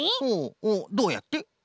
ほうどうやって？